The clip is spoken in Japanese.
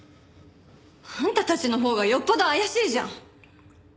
あんたたちのほうがよっぽど怪しいじゃん。